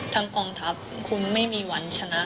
กองทัพคุณไม่มีวันชนะ